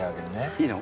いいの？